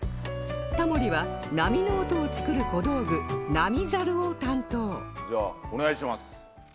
タモリは波の音を作る小道具波ザルを担当じゃあお願いします。